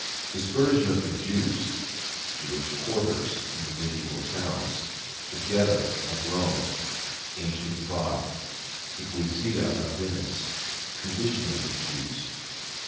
Dispersion of the Jews. Jewish Quarters in the Mediæval Towns. The Ghetto of Rome. Ancient Prague. The Giudecca of Venice. Condition of the Jews.